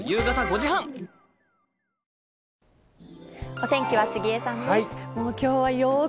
お天気は杉江さんです。